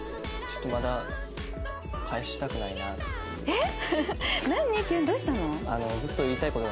えっ！？